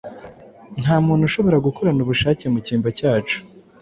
Nta muntu ushobora gukorana ubushake mu cyimbo cyacu.